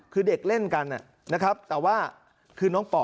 คือเด็กเล่นกันนะครับแต่ว่าคือน้องปอ